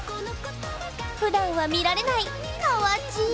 ふだんは見られないかわちぃ